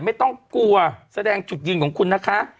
ไม่ต้องกลัวแสดงจุดยืนของคุณนะคะ